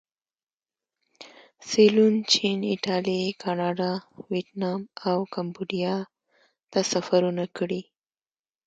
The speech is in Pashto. سیلون، چین، ایټالیې، کاناډا، ویتنام او کمبودیا ته سفرونه کړي.